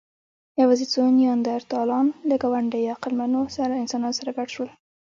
یواځې څو نیاندرتالان له ګاونډيو عقلمنو انسانانو سره ګډ شول.